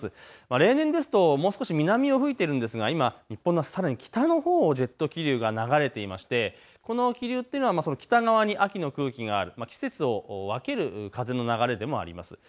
例年ですともう少し南を吹いているんですが今、日本のさらに北のほうをジェット気流が流れていましてこの気流は北側に秋の空気がある、季節を分ける風の流れでもあります。